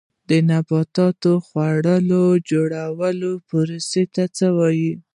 د نباتاتو د خواړو جوړولو پروسې ته څه وایي